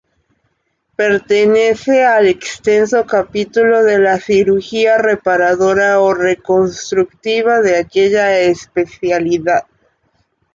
Pertenece al extenso capítulo de la cirugía reparadora o reconstructiva de aquella especialidad.